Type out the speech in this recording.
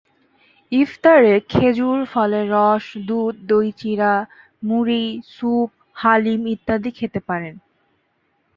ইফতারে খেজুর, ফলের রস, দুধ, দই-চিড়া, মুড়ি, স্যুপ, হালিম ইত্যাদি খেতে পারেন।